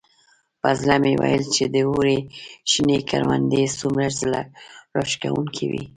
په زړه مې ویل چې د اوړي شنې کروندې څومره زړه راښکونکي وي.